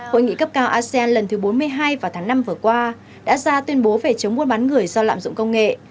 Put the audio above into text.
hội nghị cấp cao asean lần thứ bốn mươi hai vào tháng năm vừa qua đã ra tuyên bố về chống buôn bán người do lạm dụng công nghệ